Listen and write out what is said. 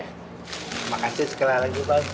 terima kasih sekali lagi pak